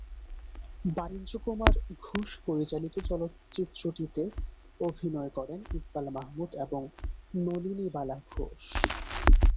বারীন্দ্রকুমার ঘোষ পরিচালিত চলচ্চিত্রটিতে অভিনয় করেন ইকবাল মাহমুদ এবং নলিনীবালা ঘোষ।